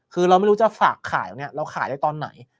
คือเราไม่รู้ว่าฝากขายอะไรเราขายได้ตอนไหน